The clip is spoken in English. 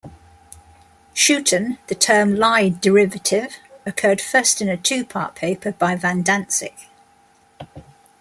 Schouten, the term "Lie derivative" occurred first in a two-part paper by van Dantzig.